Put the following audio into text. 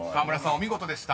お見事でした。